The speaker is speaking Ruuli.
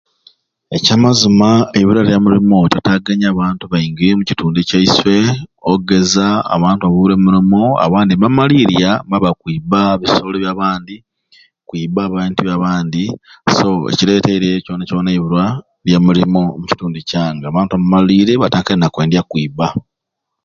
Ekyamazima ebbula lya mirumu litatagenye abantu bainji omu kitundu kyaiswe ogeza abantu baburwe emirumu abandi nebamaliirya n'ebakwiba kwiba bisolo byabandi kwiba bintu byabandi so ekireiteire ekyo bula lya mirumu omu kitundu kyange abantu bamaliirye batandikire nakwiba